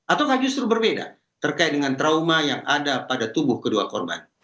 ataukah justru berbeda terkait dengan trauma yang ada pada tubuh kedua korban